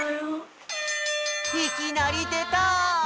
いきなりでた！